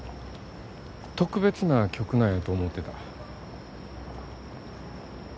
特別な曲なんやと思うてた。